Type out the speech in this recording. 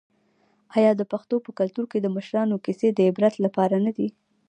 آیا د پښتنو په کلتور کې د مشرانو کیسې د عبرت لپاره نه دي؟